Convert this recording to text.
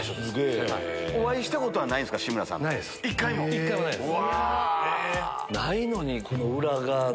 １回もないです。